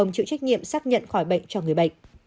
ông chịu trách nhiệm xác nhận khỏi bệnh cho người bệnh